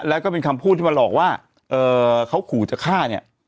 แล้วก็เป็นคำพูดที่มาหลอกว่าเขาขู่จะฆ่าเนี่ย